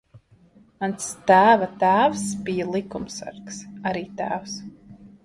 Mans tēva tēvs bija likumsargs. Arī tēvs.